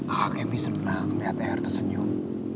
a'a kemi senang liat er tersenyum